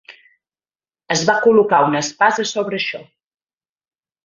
Es va col·locar una espasa sobre això.